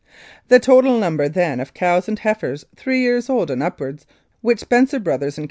"The total number then of cows and heifers three years old and upwards which Spencer Bros, and Co.